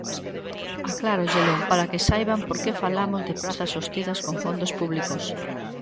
Aclárollelo para que saiban por que falamos de prazas sostidas con fondos públicos.